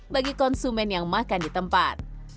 bagi konsumen yang makan di tempat